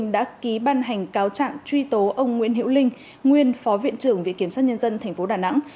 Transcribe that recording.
đã ký ban hành cáo trạng truy tố ông nguyễn hiệu linh nguyên phó viện trưởng viện kiểm sát nhân dân tp đà nẵng